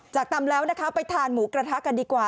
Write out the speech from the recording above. ตำแล้วนะคะไปทานหมูกระทะกันดีกว่า